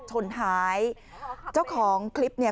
ชนท้ายเจ้าของคลิปเนี่ย